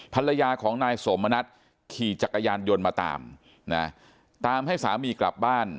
ภรรยาของนายสมณัฐขี่จักรยานยนต์มาตามนะตามให้สามีกลับบ้าน